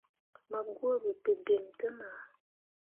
Ma guuɓe bebemme te nah.